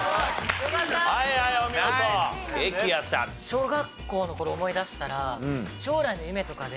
小学校の頃思い出したら。